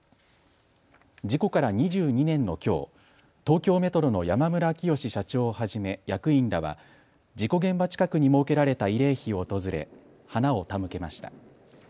事故から２２年のきょう、東京メトロの山村明義社長をはじめ役員らは事故現場近くに設けられた慰霊碑を訪れ花を手向けました。